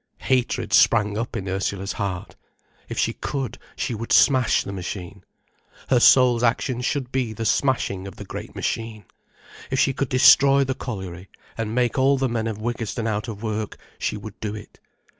Hatred sprang up in Ursula's heart. If she could she would smash the machine. Her soul's action should be the smashing of the great machine. If she could destroy the colliery, and make all the men of Wiggiston out of work, she would do it.